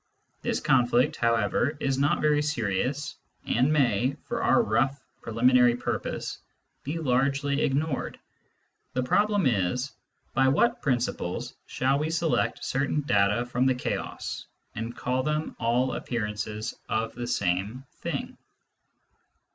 This conflict, however, is not very serious, and may, for our rough preliminary purpose, be largely ignored. The problem is : by what principles shall we select certain data from the chaos, and call them all appearances of the same thing